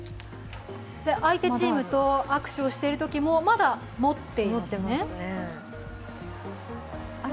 相手チームと握手をしているときもまだ持ってますよね。